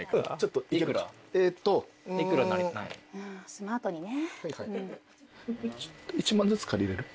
スマートにね。